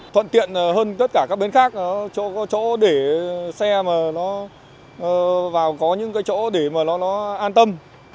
thuận tiện hơn tất cả các bên khác chỗ để xe mà nó vào có những cái chỗ để mà nó an tâm